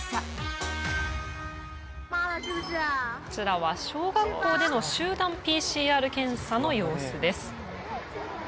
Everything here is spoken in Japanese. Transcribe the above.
こちらは小学校での集団ＰＣＲ検査の様子です。